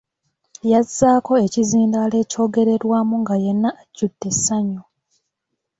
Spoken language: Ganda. Yazzaako ekizindaalo ekyogererwamu nga yenna ajjudde essanyu.